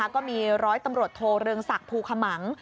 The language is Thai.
ก็มีร้อยตำรวจโทเรืองศักดิ์ภูขมัง